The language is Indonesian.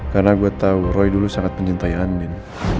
karena gue tau roy dulu sangat mencintai andin